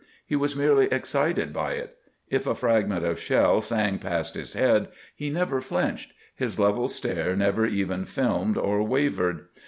He was merely excited by it. If a fragment of shell sang past his head, he never flinched, his level stare never even filmed or wavered.